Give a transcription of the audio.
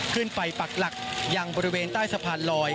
ขึ้นไปปักหลักอย่างบริเวณใต้สะพานลอย